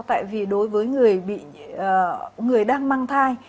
tại vì đối với người đang mang thai